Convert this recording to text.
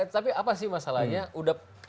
tapi apa sih masalahnya